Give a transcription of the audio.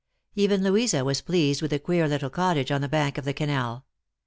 Even Louisa was pleased with the queer little cottage on the bank of the canal.